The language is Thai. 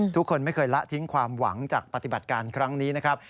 ทุกคนไม่เคยละทิ้งความหวังจากปฏิบัติการครั้งนี้นะครับ